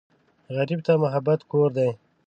غریب ته محبت کور دی